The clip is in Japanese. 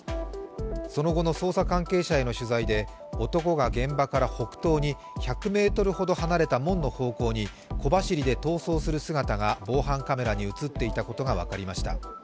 その後の捜査関係者への取材で男が現場から北東に１００ｍほど離れた門の方向に小走りで逃走する姿が防犯カメラに映っていたことが分かりました。